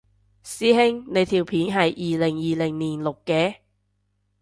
師兄你條片係二零二零年錄嘅？